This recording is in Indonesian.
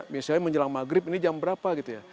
misalnya menjelang maghrib ini jam berapa gitu ya